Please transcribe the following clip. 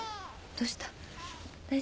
どうした？